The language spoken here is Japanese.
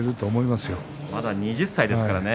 まだ２０歳ですからね。